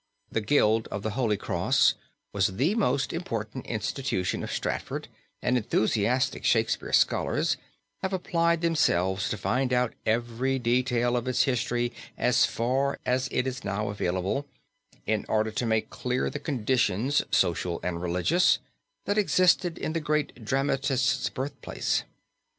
The Guild of the Holy Cross was the most important institution of Stratford and enthusiastic Shakespeare scholars have applied themselves to find out every detail of its history as far as it is now available, in order to make clear the conditions social and religious that existed in the great dramatist's birthplace.